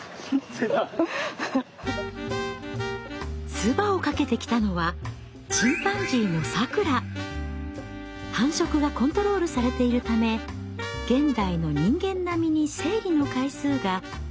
つばをかけてきたのは繁殖がコントロールされているため現代の人間並みに生理の回数が多くなっています。